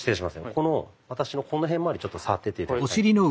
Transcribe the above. この私のこの辺まわりちょっと触ってて頂きたいんですけども。